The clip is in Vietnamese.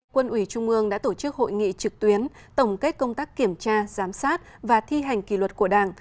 quân ủy trung ương đã tổ chức hội nghị trực tuyến tổng kết công tác kiểm tra giám sát và thi hành kỳ luật của đảng